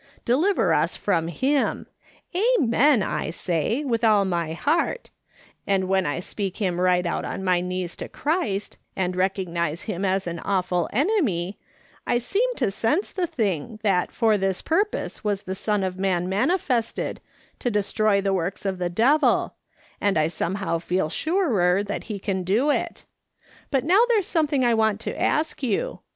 Deliver us from him.' ' Amen,' I say, with all U3y heart ; and when I speak him right out on my knees to Christ, and recognise him as an awful enemy, I seem to sense the thing that for this purpose was the Son of Man manifested to destroy the works of the devil, and I somehow feel surer that he can do it. But now there's something I want to ask you.